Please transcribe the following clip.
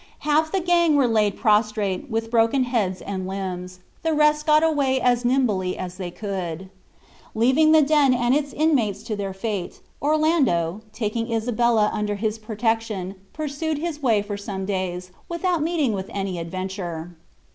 Half the gang were laid prostrate, with broken heads and limbs; the rest got away as nimbly as they could. Leaving the den and its inmates to their fate, Orlando, taking Isabella under his protection, pursued his way for some days, without meeting with any adventure.